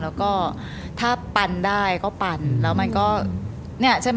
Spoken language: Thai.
แล้วก็ถ้าปั่นได้ก็ปั่นแล้วมันก็เนี่ยใช่ไหม